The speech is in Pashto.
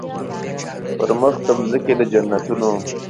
پر مخ د مځکي د جنتونو